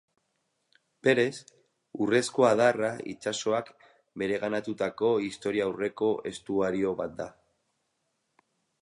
Berez, Urrezko Adarra itsasoak bereganatutako historiaurreko estuario bat da.